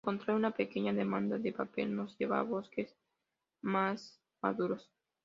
Por el contrario, una pequeña demanda de papel nos lleva a bosques más maduros.